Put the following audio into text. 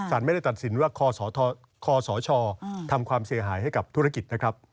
ไม่ได้ตัดสินว่าคศทำความเสียหายให้กับธุรกิจนะครับ